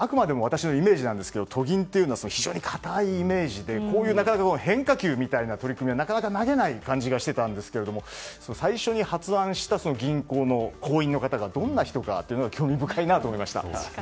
あくまでも私のイメージなんですけど都銀というのは非常に堅いイメージで変化球みたいな取り組みはなかなか投げない感じがしていたんですけど最初に発案した銀行の行員の方がどんな人かというのが興味深いなと思いました。